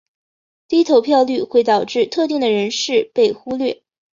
低投票率会导致特定的人士被忽略。